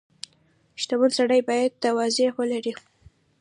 • شتمن سړی باید تواضع ولري.